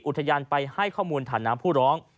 อุทยานไปให้ข้อมูลฐานน้ำผู้ร้อง